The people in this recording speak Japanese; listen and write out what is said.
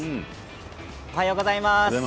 おはようございます。